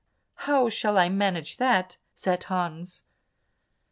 "How shall I manage that?" said Hans.